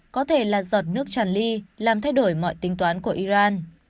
có thể là giọt nước tràn ly làm thay đổi mọi tính toán của iran